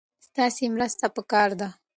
ستاسې مرسته پکار ده.